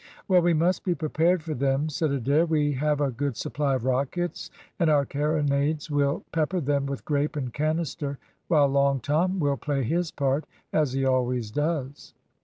"Well, we must be prepared for them," said Adair; "we have a good supply of rockets, and our carronades will pepper them with grape and canister, while Long Tom will play his part as he always does."